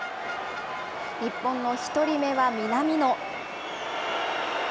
日本の１人目は南野。